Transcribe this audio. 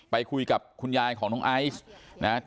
ไปคุยกับคุณยายของน้องไอซ์นะครับ